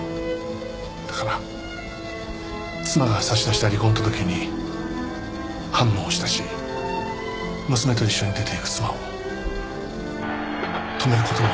だから妻が差し出した離婚届に判も押したし娘と一緒に出ていく妻を止める事もできなかったんです。